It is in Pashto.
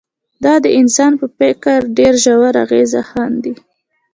دا د انسان په فکر ډېر ژور اغېز ښندي